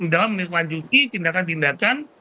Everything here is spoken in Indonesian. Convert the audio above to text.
dalam menikmati tindakan tindakan